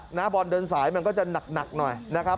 หน้าบอลเดินสายมันก็จะหนักหน่อยนะครับ